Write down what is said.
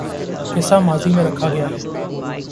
قصہ ماضی میں رکھا کیا ہے